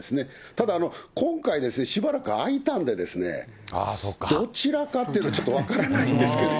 ただ今回、しばらく空いたんで、どちらかというとちょっと分からないんですけど。